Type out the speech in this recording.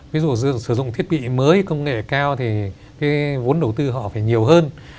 ví dụ sử dụng thiết bị mới công nghệ cao thì cái vốn đầu tư họ phải nhiều hơn